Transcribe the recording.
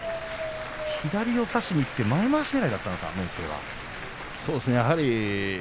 左を差しにいって前まわしねらいだったんですか。